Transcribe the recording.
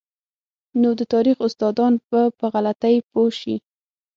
نو د تاریخ استادان به په غلطۍ پوه شي.